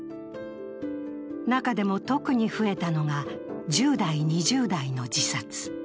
中でも特に増えたのが１０代、２０代の自殺。